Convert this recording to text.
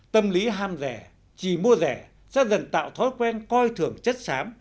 tâm lý ham rẻ chỉ mua rẻ sẽ dần tạo thói quen coi thường chất xám